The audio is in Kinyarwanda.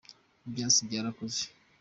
ibyatsi byarakuze